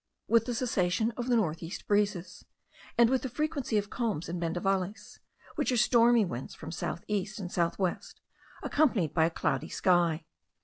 with the cessation of the north east breezes, and with the frequency of calms and bendavales, which are stormy winds from south east and south west, accompanied by a cloudy sky.